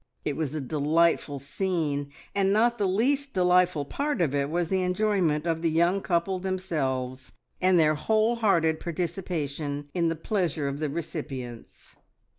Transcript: It was a delightful scene, and not the least delightful part of it was the enjoyment of the young couple themselves, and their whole hearted participation in the pleasure of the recipients.